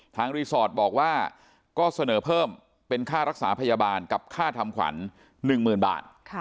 รีสอร์ทบอกว่าก็เสนอเพิ่มเป็นค่ารักษาพยาบาลกับค่าทำขวัญ๑๐๐๐บาท